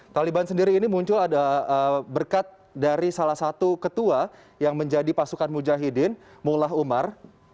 taliban sendiri ini muncul ada berkat dari salah satu ketua yang menjadi pasukan mujahidin mullah umar